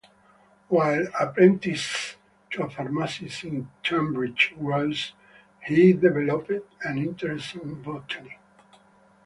While apprenticed to a pharmacist in Tunbridge Wells, he developed an interest in botany.